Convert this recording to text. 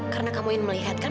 karena kamu ingin melihatkan